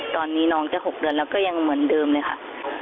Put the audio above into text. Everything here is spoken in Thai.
ตอนนี้น้องจะ๖เดือนแล้วก็ยังเหมือนเดิมเลยค่ะ